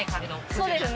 そうですね。